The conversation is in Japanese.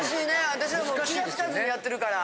私はもう気が付かずにやってるから。